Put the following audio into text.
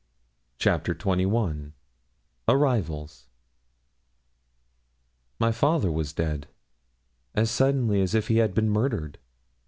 CHAPTER XXI ARRIVALS My father was dead as suddenly as if he had been murdered.